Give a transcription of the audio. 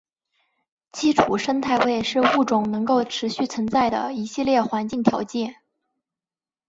基础生态位是物种能够持续存在的一系列环境条件。